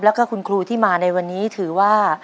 แล้วก็คุณครูที่มาในวันนี้ถือว่า